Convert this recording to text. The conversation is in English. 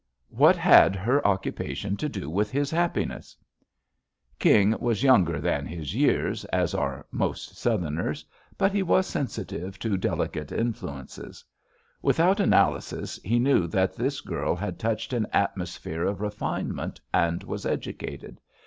What had her occupation to do with his happiness? ^ JUST SWEETHEARTS King was younger than his years, as ^jrc most Southerners, but he was sensitive to deli cate influences. Without analysis, he knew that this girl had touched an atmosphere of refinement and was educated.